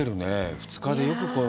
２日で、よくこの。